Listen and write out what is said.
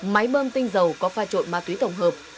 máy bơm tinh dầu có pha trộn ma túy tổng hợp